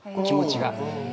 気持ちが。